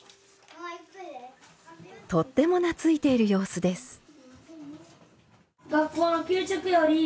とっても懐いている様子です。